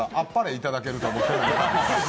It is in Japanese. いただけると思います。